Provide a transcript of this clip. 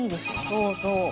「そうそう」